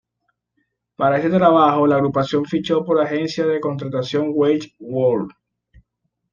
Para este trabajo, la agrupación fichó por la agencia de contratación Weird World.